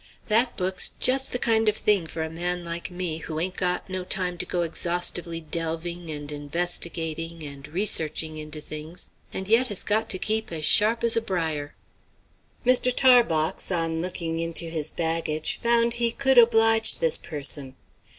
That book's just the kind of thing for a man like me who ain't got no time to go exhaustively delving and investigating and researching into things, and yet has got to keep as sharp as a brier." Mr. Tarbox, on looking into his baggage, found he could oblige this person.